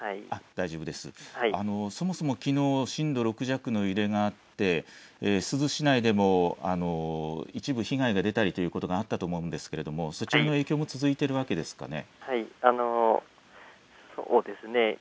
そもそもきのう震度６弱の揺れがあって珠洲市内でも一部、被害が出たりということがあったと思うんですけれどもそちらの影響も続いているわけですかね。